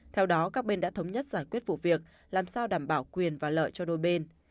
theo đó các bên đã thống nhất giải quyết vụ việc làm sao đảm bảo quyền và lợi cho đôi bên